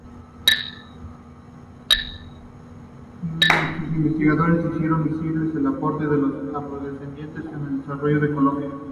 Sus investigaciones hicieron visible el aporte de los Afrodescendientes en el desarrollo de Colombia.